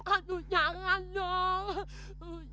aduh jangan dong